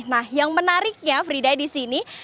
nah yang menariknya frida di sini